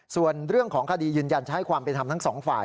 ส่วนเรื่องของคดียืนยันจะให้ความเป็นธรรมทั้งสองฝ่าย